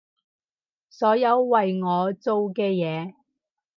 所有為我做嘅嘢